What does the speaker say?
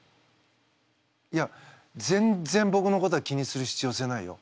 いや全然ぼくのことは気にする必要性はないよ。